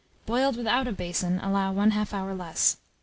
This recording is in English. Boiled without a basin, allow 1/2 hour less.